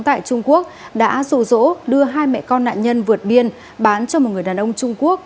tại trung quốc đã rủ rỗ đưa hai mẹ con nạn nhân vượt biên bán cho một người đàn ông trung quốc